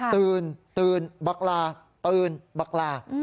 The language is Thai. ตื่นตื่นบักลาตื่นบักลา